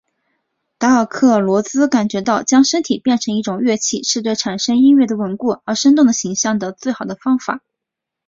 达尔克罗兹感觉到将身体变成一种乐器是产生对音乐的稳固而生动的印象的最好的方法。